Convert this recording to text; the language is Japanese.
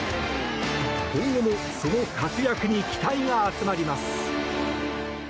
今後もその活躍に期待が集まります。